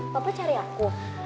papa cari aku